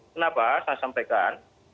kenapa saya sampaikan